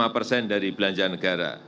lima persen dari belanja negara